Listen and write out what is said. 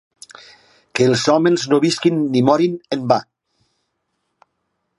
Que els homes no visquin ni morin en va.